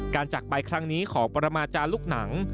จากไปครั้งนี้ขอปรมาจารย์ลูกหนัง